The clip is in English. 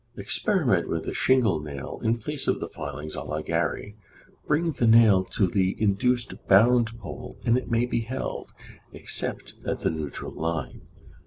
Experiment with a shingle nail in the place of the filings, à la Gary, bring the nail to the induced bound pole, and it may be held, except at the neutral line.